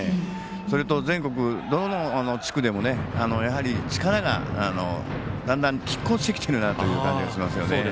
それと全国どの地区でも、やはり力が、きっ抗してきているなという感じがしますね。